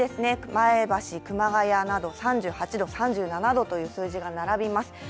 前橋、熊谷など３８度、３７度という数字が並びます。